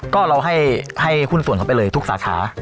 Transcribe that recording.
ก็เราให้หุ้นส่วนเขาไปเลยทุกสาขา